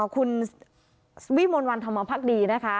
คุณวิมลวันธรรมพักดีนะคะ